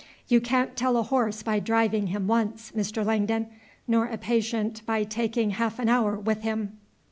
You can't tell a horse by driving him once, Mr. Langdon, nor a patient by talking half an hour with him."